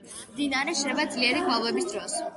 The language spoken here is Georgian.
მდინარე შრება ძლიერი გვალვების დროს.